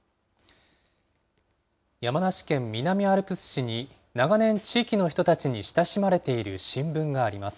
山梨県南アルプス市に、長年、地域の人たちに親しまれている新聞があります。